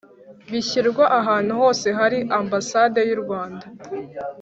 Bishyirwa ahantu hose hari ambasade y u rwanda